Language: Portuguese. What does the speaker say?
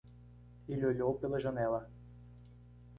Ele olhou pela janela.